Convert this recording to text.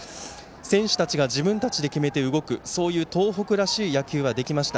選手たちが自分たちで決めて動くそういう東北らしい野球はできました。